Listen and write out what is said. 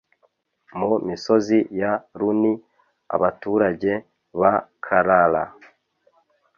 mu misozi ya Luni abaturage ba Carrara